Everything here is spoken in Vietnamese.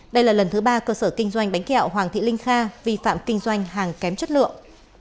đây là lần thứ ba cơ sở kinh doanh bánh kẹo hoàng thị linh kha vi phạm kinh doanh hàng kém chất lượng